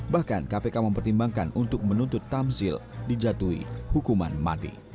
bahkan kpk mempertimbangkan untuk menuntut tamzil dijatuhi hukuman mati